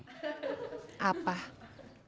kamu tau persamaan manusia dengan binatang